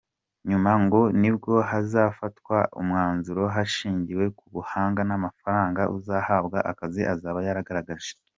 Nyuma ngo nibwo hakazafatwa umwanzuro hashingiwe ku buhanga n'amafaranga uzahabwa akazi azaba yagaragaje.